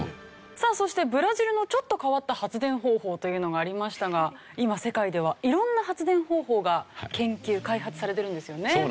さあそしてブラジルのちょっと変わった発電方法というのがありましたが今世界では色んな発電方法が研究開発されてるんですよね。